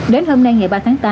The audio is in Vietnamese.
đến hôm nay ngày ba tháng tám